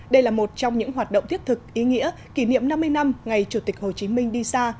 đây là một trong những hoạt động thiết thực ý nghĩa kỷ niệm năm mươi năm ngày chủ tịch hồ chí minh đi xa